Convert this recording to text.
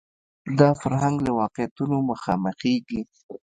دا فرهنګ له واقعیتونو مخامخېږي